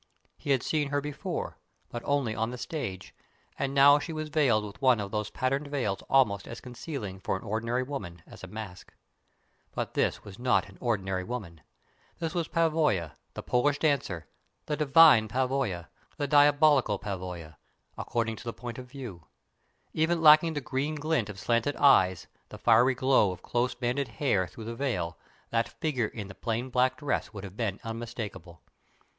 He had seen her before, but only on the stage, and now she was veiled with one of those patterned veils almost as concealing for an ordinary woman as a mask. But this was not an ordinary woman. It was Pavoya, the Polish dancer; the "divine Pavoya," the "diabolic Pavoya," according to the point of view. Even lacking the green glint of slanted eyes, the fiery glow of close banded hair through the veil, that figure in the plain black dress would have been unmistakable.